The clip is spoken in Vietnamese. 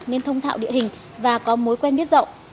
nên thông thạo địa hình và có mối quen biết rộng